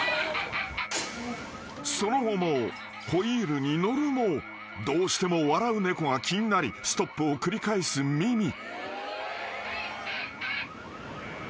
［その後もホイールに乗るもどうしても笑う猫が気になりストップを繰り返すミミ］